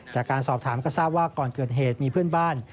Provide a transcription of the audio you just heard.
จากการสอบถามก็ทราบว่าก่อนเกิดเหตุมีเพื่อนบ้าน